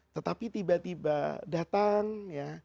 tetapi tiba tiba datang ya